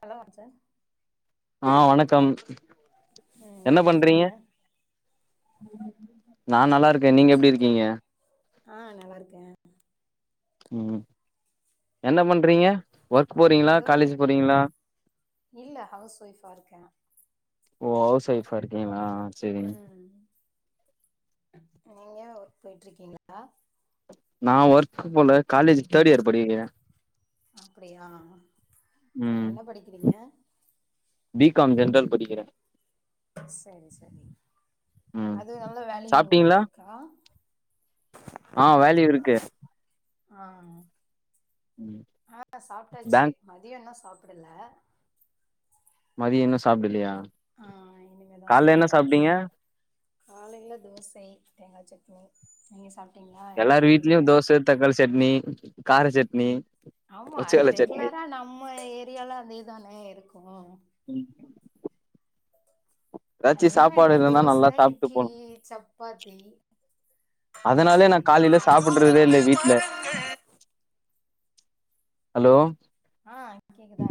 நல்லா வந்துச்சா அ வணக்கம் ம் என்ன எப்டி பண்றீங்க இருக்கீங்க நா நல்லா இருக்க நீங்க எப்டி இருக்கீங்க அ நல்லா இருக்க ம் என்ன பண்றீங்க ஒர்க் போறீங்ளா இந்தோ காலேஜ் போறீங்ளா இல்ல ஹவுஸ் ஒய்ஃபா இருக்கே ஓ ஹவுஸ் ஓயிஃப்பா இருக்கீங்ளா ம் நீங்க ஒர்க் போயிட்டு இருக்கீங்ளா நா ஒர்க் போல காலேஜ் தேர்ட் இயர் படிக்கிற அப்டியா சரி ம் என்ன படிக்கிறீங்க பி காம் ஜென்ரல் படிக்கிற சரி சரி ம் அதுவ் நல்ல வேல்யூ சாப்ட்டீங்களா இருக்கா அ வேல்யூ இருக்கு அ அ சாப்ட்டாச்சி பேங்க் மதியோ இன்னோ சாப்பிடல மதியோ இன்னோ சாப்டலையா அ இனிமே தா கால்ல என்ன சாப்டனோ சாப்ட்டீங்க காலையில தோச தேங்கா சட்னி நீங்க சாப் எல்லார் வீட்லயு தோச தக்காளி சட்னி கார சட்னி ஆமா அது ஒச்சக்கல்ல சட்னி ரெகுலரா நம்ம ஏரியால்ல அதேதானே இருக்கோ ம் ம் அதிகமா என்ன சாப்பாடு இருந்தா தோச நல்லா சாப்ட்டு இட்லி போனு சப்பாத்தி அந்த அதனாலே நா மாதிரி காலையில சாப்பட்றதே கூரத்து இல்ல வீட்ல மரங்கள் ஹலோ ஆ கேக்குதா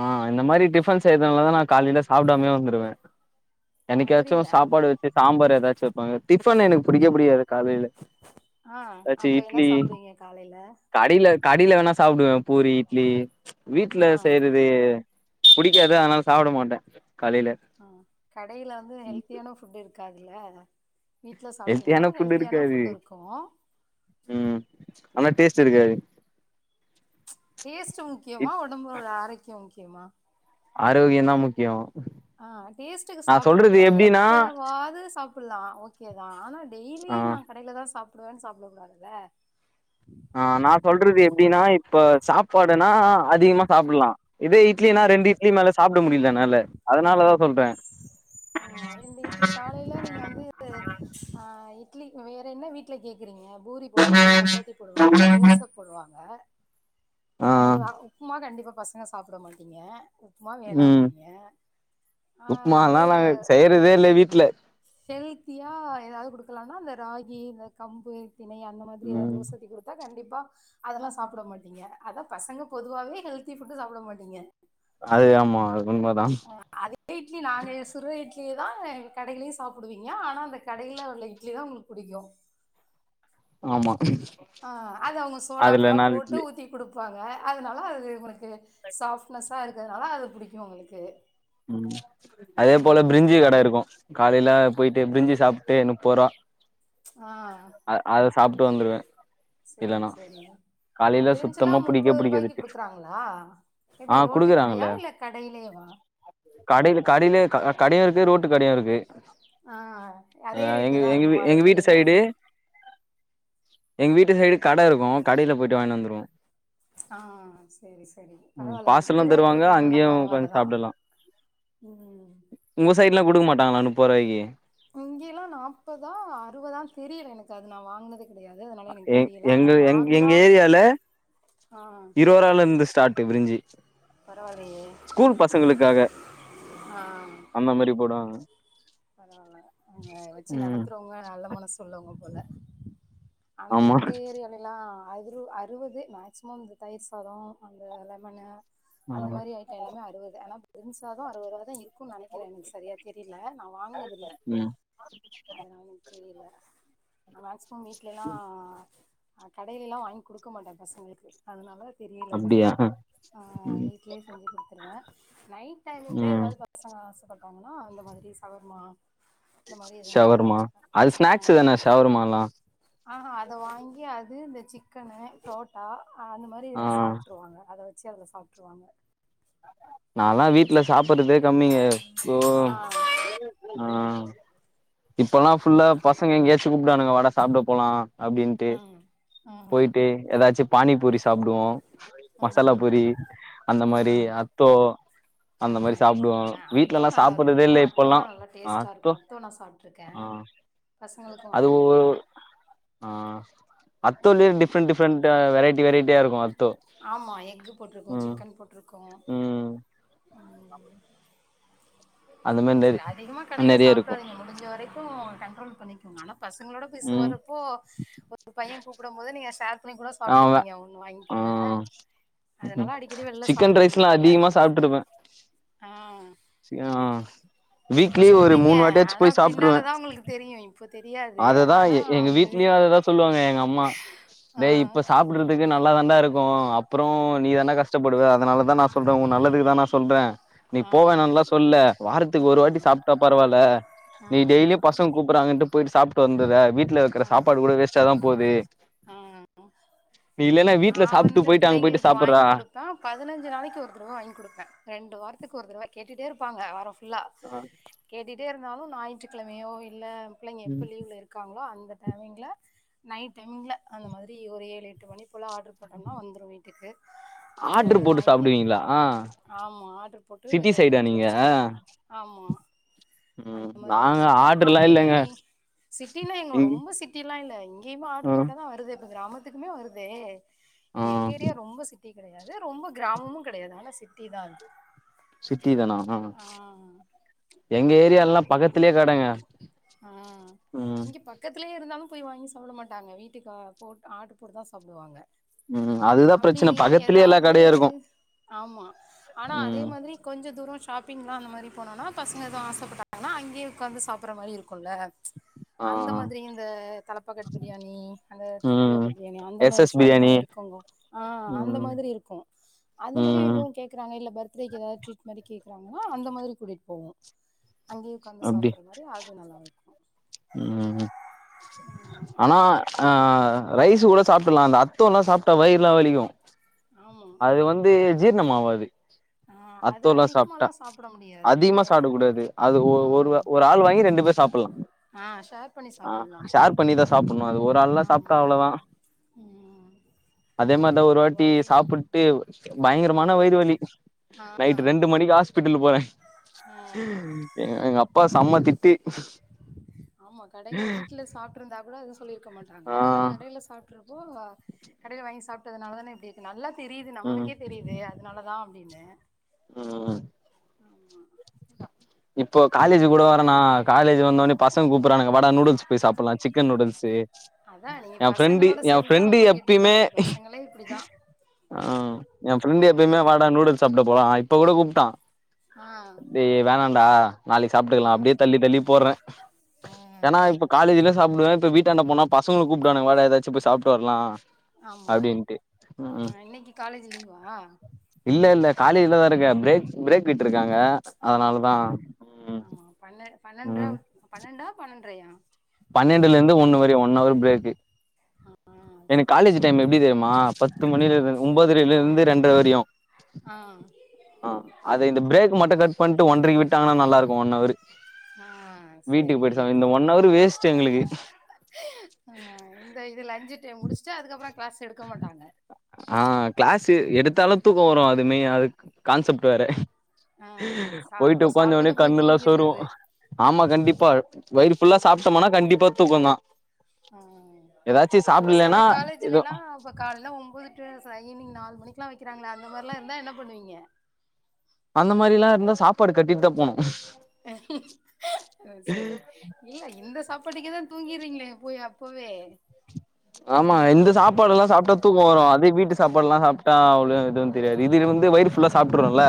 அ இந்த மாரி டிஃபன் செய்தனாலதா நா காலையில சாப்டாமயே வந்துருவ என்னிக்காச்சோ புரியல சாப்பாடு வச்சு சாம்பார் எதாச்சு வெப்பாங்க டிஃபன் எனக்கு புடிக்கே புடிக்காது காலையில ஆ ஏதாச்சு அப்போ என்ன இட்லி சாப்டுவீங்க காலையில கடையில கடையில வேணா சாப்டுவ பூரி இட்லி வீட்ல ஆ வே புடிக்காது அன்னால சாப்ட மாட்ட காலையில அ கடையில வந்து ம். ஹெல்த்தியான ஃபுட்டு இருக்காதுல்ல வீட்ல சாப்ட்டிங்ன்னா ஹெல்த்தியான ஃபுட் ஹெல்த்தியான இருக்காது ஃபுட் இருக்கோ ம் ஆனா டேஸ்ட்டு இருக்காது டேஸ்ட்டு முக்கியமா ஒடம்போட ஆரோக்கியோ முக்கியமா ஆரோக்கியோந்தா முக்கியோ அ டேஸ்டுக்கு நா சாப்புட [inaudible] சொல்றது டாது எப்டின்னா எப்பவாது சாப்புல்லா ஓகேதா ஆனா ஆ டெய்லின்னா வெளில தா சாப்டுவேன் சாப்ட கூடாதுல்ல ஆ நா சொல்றது எப்டின்னா இப்ப சாப்பாடுன்னா அதிகமா சாப்புல்லா இதே இட்லின்னா ம் ரெண்டு இட்லி மேல சாப்ட முடில என்னால அதனாலதா சொல்ற ஆ ரெண்டு இட்லி காலையில நீங்க வந்து ஆ இட்லி வேற என்ன வீட்ல கேக்குறீங்க பூரி போடுவாங்க சப்பாத்தி போடுவாங்க தோச போடுவாங்க ஆ அவ்ள்தா உப்மா கண்டிப்பா பசங்க சாப்பிட மாட்டீங்க உப் மா வேணாம்பீங்க ஆ அது ஆனா செய்றதே இல்ல வீட்ல ஹெல்த்தியா எதாவ்து குடுக்கலாம்மா அந்த ராகி இந்த கம்பு தினை அந்த மாதிரி எதாவ்து ம் தோச ஊத்தி குடு டுத்தா கண்டிப்பா அதெல்லா சாப்பிட மாட்டீங்க அதா பசங்க பொதுவாவே ஹெல்த்தி ஃபுட்டு சாப்பிட மாட்டீங்க அது ஆமா அது உண்ம தா அதே இட்லி நாங்க சுட்ற இட்லியே தா கடையிலயு சாப்டுவீங்க ஆனா அந்த கடையில உள்ள இட்லி தா புடிக்கும் ஆமா ஆ அது அவங்க சோடா அதுல உப்புல்லா நாலு போட்டு இட்லி ஊத்தி குடுப்பாங்க அதனால அது உனக்கு சாஃப்ட்னஸா இருக்கிறதுனால அது புடிக்கும் உங்களுக்கு ம் அதே போல ம். பிரிஞ்சி கட இருக்கும் காலையில போயிட்டு பிரிஞ்சி சாப்ட்டு முப்போர்வா ஆ அ அத சாப்ட்டு வந்துருவ செரி செரி அ பிரிஞ்சுல்லா சுத்தமா புடிக்கவே முப்பத்ரூபாய்க்கு புடிக்காது குடுக்குறாங்ளா ஆ எப்டி ரோட்டு கடையா குடுக்குறாங்கல்ல இல்ல கடையிலேவா கடைல கடையில இக் கடையும் இருக்கு ரோட்டு கடையும் இருக்கு ஆ அ அதே ரேட்டு எங்க தான் எங்க இருக்குமா எங்க வீட்டு சைடு எங்க வீட்டு சைடு கட இருக்கும் கடையில போயிட்டு வாய்ன்னு வந்துருவோ ஆ சேரி சேரி ம் பரவால்ல முப்பது பார்சலு ரூபாய்க்கு தருவாங்க குடுக்குறாங்கன்னா அங்கேயு பரவால்ல உக்காந்து தா சாப்டலா ம் உங்க சைட்லா குடுக்க மாட்டாங்களா முப்பது ரூபாய்க்கு இங்கெல்லா நாப்பதா அறுவதா தெரியல எனக்கு அது நா வாங்னதே எ எங்க எங் எங்க ஏரியால ஆ இருவரூவால இருந்து ஸ்டார்ட் பிரிஞ்சு பரவால்லையே! ஸ்கூல் பசங்களுக்காக ஆ அந்த மாரி போடுவாங்க பரவால்ல அங்க வெச்சி ம் நடத்துறவங்க நல்ல மனசு உள்ளவங்க போல ஆனா ஆமா எங்க ஏரியாலை லா அதுறு அறுவது மேக்சிமம் இந்த தயிர் சாதோ அந்த லெமன்னு அந்த ஆமா மாரி ஐட்டோ எல்லாமே அறுவது ஆனா பிரிஞ்சாதோ அறுவது ரூபாதா இருக்குனு நெனைக்கிறே எனக்கு சரியா தெரில நா வாங்குனதில்ல ம் அதுனால எக்கு தெரியல நான் மேக்ஸிமம் வீட்லல்லா கடையில்லா வாங்கி குடுக்க மாட்டே பசங்களுக்கு அதனால தெரியல எனக்கு அப்டியா ம் வீட்லயே செஞ்சி குடுத்துருவே நைட் டைம் ல ம் ஏதாவது பசங்க ஆசப்பட்டாங்கன்னா அந்த மாதிரி சவர்மா இந்த மாரி எதுவு வாங்கி ஷவர்மா குடுப்பே அது ஸ்நாக்ஸ் தானே ஷவர்மால்லா ஆ ஹா அத வாங்கி அது இந்த சிக்கனு புரோட்டா ஆ அந் அது மாரி ஆ சாப்புட்ருவாங்க அத வெச்சி அதல சாப்புட்ருவாங்க நான்லா வீட்ல சாப்புட்றதே கம்மிங்க போ ஆ ஆ இப்பெல்லா ஃபுல்லா சேரி பசங்க எங்கயாச்சு கூப்புடுவானுங்க வாடா சாப்ட போலா அப்டின்ட்டு ம் ம் போயிட்டு ஏதாச்சி பானி பூரி சாப்டுவோ மசாலா ம் பொரி அந்த மாரி ம் அத்தோ ஆ அந்த மாரி சாப்டுவோ ஆ அத்தோ வீட்லல்லா நல்லா இருக்கு சாப்புட்றதே இல்ல இப்பல்லா அத்தோல்லா நல்லா டேஸ்டா இருக்கு அத்தோ நா சாப்ட்டு இருக்கே ஆ பசங்களுக்கு அது வாங்கி ஒ குடுப்பே ஆ அத்தோலயே டிஃப்ரெண்ட் டிஃப்ரெண்ட்டா வெரைட்டி வெரைட்டியா இருக்கு அத்தோ ஆமா எக்கு போட்டிருக்கு ம் சிக்கன் போட்டிருக்கு ம் அந்த மாரி நெறி சேரி அதிகமா கடயில நெறைய இருக்கு சாப்டாதீங்க முடிஞ்ச வரைக்கு கண்ட்ரோல் பண்ணிக்குங்க ஆனா பசங்களோட போய் ம் சோறு போ ஒரு பைய கூப்படமோது நீங்க ஷேர் பண்ணி கூட ஆமா சாப்ட்டுப்பீங்க ஒன்னு வாங்கி ஆ கூட அதனால ம் அடிக்கடி வெள்ல சிக்கன் சாப்பிடுவீங்க ரைஸ்லா போல அதிகமா ஆ சி ஆ வீக்லி ஒரு மூணு வாட்டியாச்சி போய் சாப்ட்ருவே அவங்களுக்கு தெரியு இப்ப தெரியாது அததா ஆனா எ எங்க அது வீட்லயு அததா சொல்லுவாங்க எங்க அம்மா ஆ டேய் இப்ப சாப் புட்றதுக்கு நல்லா தாண்டா இருக்கு அப்றோ நீ தான்டா கஷ் ஷ்டப்படுவ அதனால தா நா சொல்றே உன் நல்லதுக்குதா நான் சொல்றே நீ ஆ போவேனான்லா சொல்ல வாரத்துக்கு ஒரு வாட்டி ம் சாப்ட்டா பரவால்ல நீ ம் டெய்லியு பச ங்க கூப்பட்றாங்கன்னுட்டு போயிட்டு சாப்புட்டு வந்துட்ர வீட் ல இருக்குற ம் சாப்பாடு கூட வேஸ்டா தா போது ம் நீ இல்லைனா வீட்ல சாப்புட்டு போயிட்டு அங்க போயி சாப்புட்றா தா பதினஞ்சி நாளைக்கு ஒரு தடவ வாங்கி குடுப்பே ரெண்டு வாரத்துக்கு ஒரு தடவ கேட்டுகிட்டே இருப்பாங்க வாரோ ஃபுல்லா ஆ கேட்டுட்டே இருந்தாலு ஞாயிற்றுக்கெழமையோ இல்ல பிள்ளைங்க எப்ப லீவ்ல இருக் க்காங்களோ அந்த டைமிங்ல நைட் டைமிங்ல அந்த மாரி ஒரு ஏழு எட்டு மணி குல்லா ஆர்டரு போட்டோம்னா வந்துரு வீட்டுக்கு அது ஆர்ட்ரு போட்டு வாங்கியாந்து சாப்டுவீங்களா ஆமா ஆர்டரு போட்டு சிட்டி சைடா வீட்டுல நீங்க வெச்சி குடுத்துருவோ ஆமா ம் அந்த மாரி வாங்கி நாங்க குடுப்போ ஆர்ட்ருலா அப்டி இல்லங்க சிட்டினா எங்க இங் ரொம்ப சிட் ட்டிலா இல்ல இங்கேயுமே ஆ ஆர்ட்ரு போட்டாதா வருது இப்ப கிராமத்துக்குமே வருதே ஆ எங்க ஏரியா ரொம்ப சிட் சிட்டி கெடையாது ரொம்ப கிராமமு கெடையாது ஆனா சிட்டி தா அது சிட்டி தானா ஆ எங்க ஏரியால்லா பக்கத்துலே கடங்க ஆ ஆ ம் இங்க பக் கத்துலே இருந்தாலு போய் வாங்கி சாப்ட மாட்டாங்க வீட்டுக்கு ஆ போட் ஆர்ட்ரு போட்டுதா சாப்டுவாங்க ம் அதுதா அப்டி பிரச்சன பக்கத்துலயே எல்லா எதாவது கடையு இருக்கு ஆமா ஆனா அதே ம் மாதிரி கொஞ்ச தூரோ ஷாப்பிங்லா அந்த மாரி போனோனா பசங்க எதுவு ஆசப்பட்டாங்கனா அங்கே ஒக்காந்து சாப்புட்ற மாரி இருக்கு க்குல்ல ஆ அந்த மாதிரி இந்த தலப்பாக்கட் பிரியாணி அந்த தொப்பி ம் வாப்பா பிரியாணி அந்த எஸ் மாரி எஸ் ஷாப்ல்லா பிரியாணி இருக்குங்கோ ஆ அந்த ம் மாதிரி இருக்கு அது மாரி ம் எதுவு கேக் க்றாங்க இல்ல பர்த்டே எதாவது ட்ரீட் மாரி கேக்குறாங்கனா அந்த மாதிரி கூட்டிட்டு போவோ அங்கே ஒக்காந்து சாப்புட்ற மாரி அதுவு நல்லாருக்கும் ம் ம் ம் ஆனா ஆ ரைஸு கூட சாப்புட்ர்லா அந்த அத்தோல்லா சாப்டா வயிறுலா வலிக்கும் ஆமா அது வந்து ஜீர்ணமாவாது ஆ அது அத்தோல்லா சாப்ட்டா அதிகமாலா சாப்ட முடியாது அதிகமா சாப்ட கூடாது அது ஆ ஒரு ஒரு ஆள் வாங்கி ரெண்டு பேர் சாப்புட்லா ஆ ஷேர் பண்ணி சாப்புட்லா ஷேர் பண்ணி தா சாப்புட்னு அது ஒரு ஆள்லா சாப்டா ஆமா அவ்ளோதா ம் அதே மாரிதா ஒரு வாட்டி பொதுவாவே சாப்புட் ட்டு ஆ பயங்கரமான வயிறு வலி ஆ நைட்டு ரெண்டு மணிக்கு ஹாஸ்பிட்டல் போறே ம் எங் எங்க அப்பா செம்ம திட் ஆமா கடையில வீட்ல சாப்ட்ருந்தா கூட எதுவு சொல்லிருக்க மாட்டாங்க ஆ ஆனா கடையில சாப்ட் ட்றப்போ கடையில வாங்கி சாப்ட்டதுனால தான இப்டி இருக்கு நல்லா தெரியுது ம் நம்மளுக்கே தெரியுது அதுனால தா அப்டின்னு ம் ம் ஆமா இப்போ காலேஜ் கூட வரே நா காலேஜ் வந்தோன்ன பசங்க கூப்டறானுங்க வாடா நூடுல்ஸ் போய் சாப்புட்லா சிக்கன் நூடுல்ஸு அதா நீங்க ஏ ஃப்ரெண்டு பசங்களோட ஏ சேந்துதா ஃப்ரெண்டு ரொம்ப கெட்டு எப்பையுமே போறது பசங்களே இப்டிதா ஆ ஏ ஃப்ரெண்டு ம் எப்பையுமே வாடா நூடுல்ஸ் சாப்ட போலா இப்ப கூட கூப்ட்டா ஆ டே வேணான்டா நாளைக்கு ஆ சாப்ட்டுக்கலா அப்டியே தள்ளி தள்ளி போட்றே ம் ஏனா இப்ப காலேஜுல சாப்டுவே இப்ப வீட்டாண்ட போனா பசங்க கூப்டுவானுங்க வாடா எதாச்சு போய் சாப்ட்டு வர்லா ஆமா ஆ இன்னக்கி காலேஜ் லீவா இல்ல இல்ல காலேஜ்லதா இருக்கே ப்ரேக் பிரேக் விட்டுருக்காங்க ஆமா ஆ ஆமா பன்னட் பன்னென்ற ம் பன்னென்டா பன்னெட்றயா பன்னென்டுல இருந்து ஒன்னு வரையு ஒன்னவர் ப்ரேக்கு ஆ எனக்கு செரி காலேஜ் செரி டைம் எப்டி தெரியுமா பத்து ஆ மணியிலருந்து ஒம்பதுரைலருந்து ரெண்ட்ர வரையு ஆ ஆ அது இந்த ப்ரேக் மட்டு கட் பண்ட்டு ஒன்றைக்கு விட்டாங்னா நல்லாருக்கு ஒன்னவரு ஆ வீட்டுக்கு செரி போயிட் சாப்டு இந்த ஒன் ஹவரு வேஸ்ட்டு எங்களுக்கு ஆ இந்த இது லஞ்ச்சு டைம் முடிச்சுட்டு அதுக்கப்பறோ க்ளாஸ் எடுக்க மாட்டாங்க ஆ க்ளாஸு எடுத்தாலு தூக்கோ வரு அதுமே அது கான்செப்ட்டு வேற ஆ சா பொயிட்டு சாப்ட்டது உக்காந்தோனயு போய் கண்ணெல்லா தூங்கிறது சொருவு ஆமா கண்டிப்பா வயிறு ஃபுல்லா சாப்ட்டோமுனா கண்டிப்பா தூக்கந் தா ம் அப்ப செல சாப்டலன்னா எதோ காலேஜிலலா இப்ப கால்ல ஒம்பது டூ ச ஈவினி்ங் நாலு மணிக்லா வைக்கிறங்ளே அந்த மாரிலா இருந்தா என்ன பண்ணுவீங்க அந்த மாரிலா இருந்தா சாப்பாடு கட்டிட்டு தா போனு அ சரி இல்ல இந்த சாப்பாட்டுக்கே தா தூங்கிறீங்ளே போய் அப்பவே ஆமா இந்த சாப்பாடுலா சாப்ட்டா தூக்க வரு அதே வீட்டு சாப்பாட்லா சாப்ட்டா அவ்ளோ எதுவு தெரியாது இது வந்து வயிறு ஃபுல்லா சாப்ட்ருவேல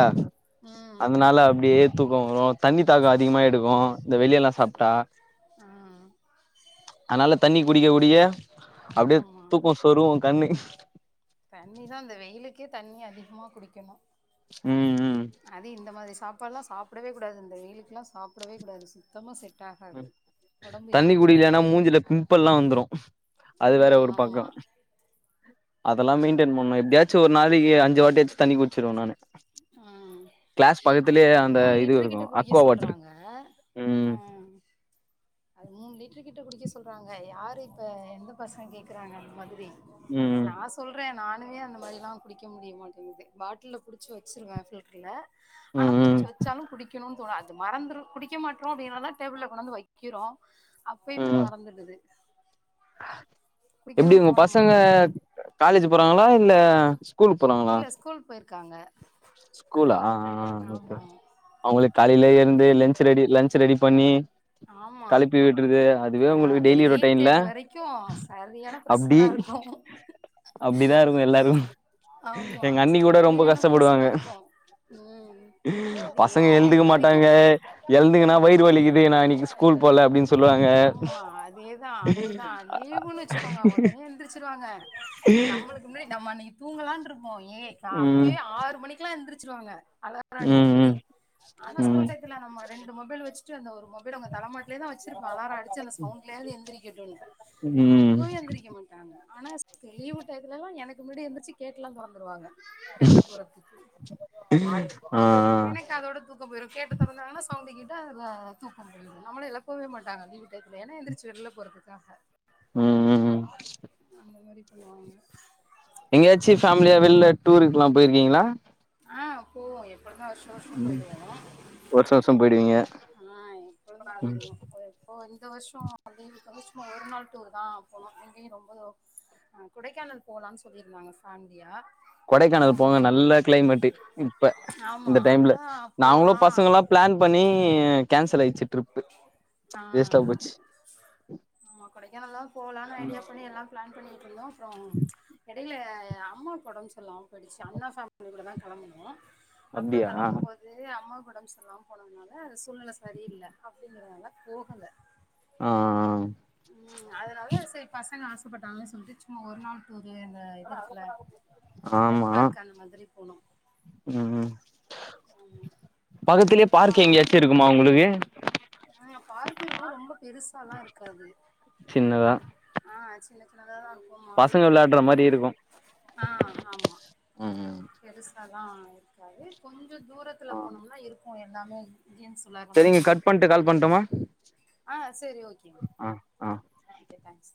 ம் அதனால அப்டியே தூக்க வரு தண்ணி தாக அதிகமா எடுக்கு இந்த வெளியெல்லா சாப்ட்டா ஆ அதனால தண்ணி குடிக்க குடிக்க அப்டியே ஆமா தூக்கொ சொருவு கண்ணு தண்ணிதா இந்த வெயிலுக்கே தண்ணி அதிகமா குடிக்கணு ம் ம் அது இந்த மாதிரி சாப்ட்லா சாப்புடவே கூடாது இந்த வெயிலுக்குலா சாப்புடவே கூடாது சுத்தமா செட் ஆகாது ஒடம்பு தண்ணி ஏத்துக்காது குடிக்லனா மூஞ்சில பிம்பள்லா வந்துரு அது வேற ம் ஒரு ஆமா பக்கோ அதெல்லா மெயின்டென் பன்னு எப்டியாச்சு ஒரு நாளைக்கி அஞ்சி வாட்டியாச்சு தண்ணி குடிச்சிர்வே நானு ஆ கிளாஸ் அது பக்கத்துலயே அந்த மூணு இது லிட்ரு இருக்கு கிட்ட குடிக்க அக்வா வாட்டர் சொல்றாங்க ஆ ம் அது மூணு லிட்ரு கிட்ட குடிக்க சொல்றாங்க யாரு இப்ப எந்த பசங்க கேக்குறாங்க அந்த மாதிரி ம் நா சொல்ற நானூமே அந்த மாரிலா குடிக்க முடியமாட்டேங்கிது பாட்டில்ல புடிச்சி வச்சிருவே பில்ட்ருல ஆனா ம் ம் புடிச்சி வச்சாலு குடிக்கினு தோனாது மறந்ரு குடிக்க மாட்றோ வேணுனா டேபிள்ல கொண்டாந்து வைக்கிறோ அப்பயுமே ம் மறந்துடுது எப்டி குடிக்கணுனு ஒங்க தோண பசங்க மாட்டேங்குது காலேஜி போறாங்களா இல்ல ஸ்கூல் போறாங்களா இல்ல ஸ்கூல் பொயிர்க்காங்க ஸ்கூலா ஆ ஆ ஓகே அவுங்ளுக்கு காலைலே எழ்ந்து லன்ஞ்சு ரெடி லன்ஞ்சு ரெடி பண்ணி ஆமா கெளப்பி விடுறது அதுவே ஆ உங்களுக்கு ஒரு டெய்லி எயிட் ரொட்டீன்ல தேர்ட்டி வரைக்கு சரியான அப்டி ப்ரெஷரா இருக்கு அப்டிதா இருக்கு எல்லாரு எங்க அண்ணி கூட ரொம்ப கஷ் பிரஷரா இருக்கு ம் அது பசங்க எயிட் எழுந்துக தேர்ட்டி வரைக்கு மாட்டாங்க ஆ எழுதுங்கன்னா வயிற வலிக்கு து நா இன்னிக்கு ஸ்கூல் போல அப்டின் சொல்வாங்க ஆமா அதேதா அதேதா லீவுன்னு வச்சுக்கோங்க ஒடனே எந்திரிச்சிருவாங்க நம்மளுக்கு முன்னாடி நம்ம அன்னிக்கு தூங்கலானு இருப்போ ஏ க ம் அத்தயே ஆறு மணிக்லா எந்திரிச்சிருவாங்க அலா ரடிக்க ம் மாரி ம் ஆனா ஸ்கூல் ம் டைத்துல நம்ம ரெண்டு மொபைல் வச்சுட்டு அந்த ஒரு மொபைல அவங்க தல மாட்லே தா வச் சிருப்போ அலார அடிச்சி அந்த சவுண்ட்லயாது எந்திரிக்கட்டுனு ம் அப்ப எந்திரிக்க மாட் டாங்க ஆனா லீவு டையத்துலலா எனக்கு முன்னாடி எந்திரிச்சி கேட்டுலா தொறந்துருவாங்க வெள்ல போறத்துக்கு ஆ எனக்கு அதோட தூக் கோ பொயிரு கேட்ட தொறந்தாங்கன்னா சவுண்ட கேட்டா அதா தூக்க பொயிடு நம்மளே எதா தூங்கவே மாட்டாங்க லீவு டயத்துல ஏனா எந்திரிச்சி வெள்ல போறதுக்காக ம் ம் அந்த மாரி பண்ணுவாங்க எங்கயாச்சு ஃபேமிலியா வெள்ல டூருக்குல்லா போயிருக்கீங்களா ஆ போவோ எப்பனா வர்ஷ வர்ஷோ போயிடுவோ வர்ஷ வர்ஷம் போயிடுவீங்க ஆ எப்பொழுதுமே போய்டுவோ ஓ இந்த வர்ஷோ வந்து [unintelligible] ஒரு நாள் டூருதா போனோ இங்கையு ரொம்போ ஆ குடைக்கானல் போலான் சொல்லியிருந்தாங்க சந்தியா கொடைக்கானல் போங்க நல்ல கிளைமேட்டு இப்ப ஆமா இந்த டைம்ல அப்படிதான் நாங்களு போலாம் பசங்களா பிளான் பண்ணி கேன்சலாயிச்சு ட்ரிப் ஆ ஆமா கொடைக்கனல்லா போலானு ஐடியா பண்ணி எல்லா பிளான் பண்ணிட்டுருந்தோ அப்புறோ எடயில அம்மாக் ஒடம் செர்ல்லாம் போய்டிச்சு அண்ணா ஃபேமிலி கூட தா கெளம்புனோ அப்ப அப்டியா கெளம்பும் போ து அம்மாக் ஒடம் சர்ல்லாம் போனதுனால அது சூழ்நில சரி இல்ல அப்டிங்கறனால போகல ஆ ம் அதனால செர் பசங்க ஆசப்பட்டாங்கன் சொல்ட்டு சும்மா ஒரு நாள் டூரு அந்த இருக்குல அ தெம் ஆமா பார்க் அந்த மாதிரி போனோ ம் ம் ஆமா பக்கத்திலயே அதுதா பார்க் எங்கயாச்சு இருக்குமா உங்களுக்கு ஆ பார்க் இருக்கு ரொம்ப பெருசால்லா இருக்காது சின்னதா ஆ சின்ன சின்னதாதா இரு க்கு மால் பசங்க விளையாடுற இருக்கும் மாரி இருக்கு ஆ ஆம்மா ம் ம் பெருசால்லா இருக்காது கொஞ்சோ தூரத்துல ஆ போனோம்ன்னா இருக்கு எல்லாமே கேம்ஸ் விள்ளாற மாரி சரிங்க கட் பண்டு கால் பண்டுமா ஆ சரி ஓகேங்க அ அ ஓகே டேங்க்ஸ்